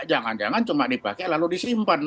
jangan jangan cuma dipakai lalu disimpan